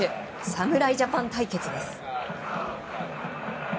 侍ジャパン対決です。